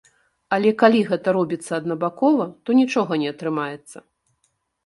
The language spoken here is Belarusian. Але калі гэта робіцца аднабакова, то нічога не атрымаецца.